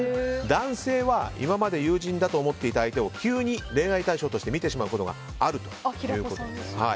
男性は今まで友人だと思っていた相手を急に恋愛対象として見てしまうことがあるということです。